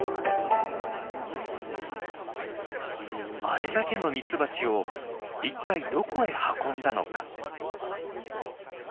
あれだけのミツバチを一体どこへ運んだのか。